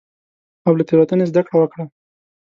او له تېروتنې زدکړه وکړه.